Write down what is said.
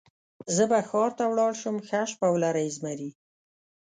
زه به ښار ته ولاړ شم، ښه شپه ولرئ زمري.